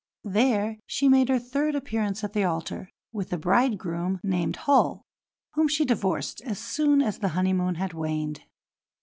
There she made her third appearance at the altar, with a bridegroom named Hull, whom she divorced as soon as the honeymoon had waned.